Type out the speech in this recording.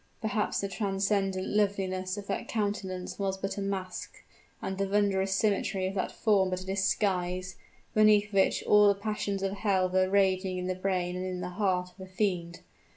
Perhaps the transcendent loveliness of that countenance was but a mask and the wondrous symmetry of that form but a disguise, beneath which all the passions of hell were raging in the brain and in the heart of a fiend.